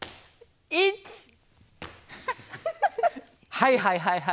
はいはいはいはいはい。